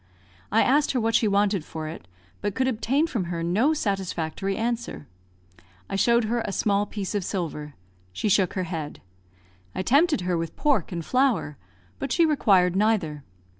I asked her what she wanted for it, but could obtain from her no satisfactory answer. I showed her a small piece of silver. She shook her head. I tempted her with pork and flour, but she required neither.